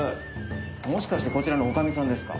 もしかしてこちらの女将さんですか？